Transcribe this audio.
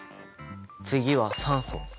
次は酸素。